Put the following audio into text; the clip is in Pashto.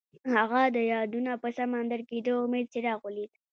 هغه د یادونه په سمندر کې د امید څراغ ولید.